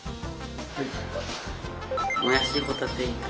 もやしホタテ炒め。